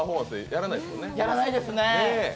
やらないですね。